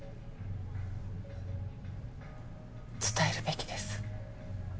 伝えるべきです。